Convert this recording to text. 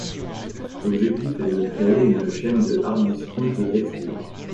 L’objectif est de créer une chaîne de hard discount textile.